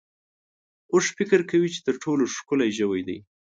اوښ فکر کوي چې تر ټولو ښکلی ژوی دی.